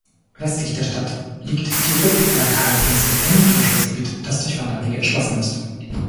Westlich der Stadt liegt die Robberg-Halbinsel, ein Naturschutzgebiet, das durch Wanderwege erschlossen ist.